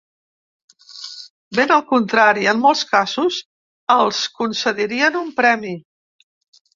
Ben al contrari: en molts casos, els concedirien un premi.